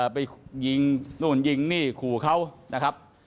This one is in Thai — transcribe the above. ไปยิงนู่นยิงขู่เขา